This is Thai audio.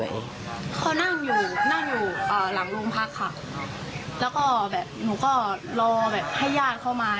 เขานั่งอยู่นั่งอยู่อ่าหลังโรงพักค่ะแล้วก็แบบหนูก็รอแบบให้ญาติเข้ามา